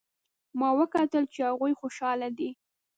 ما وکتل چې هغوی خوشحاله دي